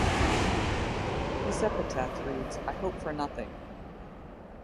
His epitaph reads I hope for nothing.